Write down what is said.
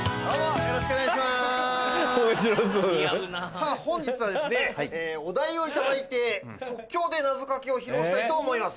さぁ本日はですねお題を頂いて即興で謎かけを披露したいと思います。